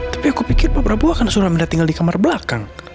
tapi aku pikir pak prabu akan suruh amirah tinggal di kamar belakang